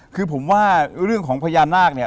คือผมว่าเรื่องของพญานาคเนี่ย